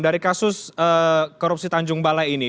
dari kasus korupsi tanjung balai ini